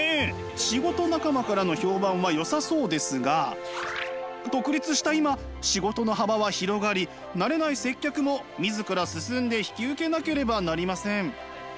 仕事仲間からの評判はよさそうですが独立した今仕事の幅は広がり慣れない接客も自ら進んで引き受けなければなりません。